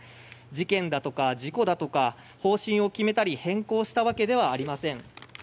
事件だとか事故だとか方針を決めたり変更したわけではありません。